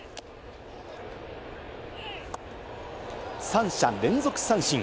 三者連続三振。